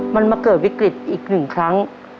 มันมาเกิดวิกฤตอีกหนึ่งครั้ง